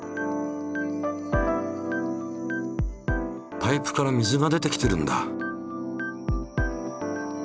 パイプから水が出てきてるんだ。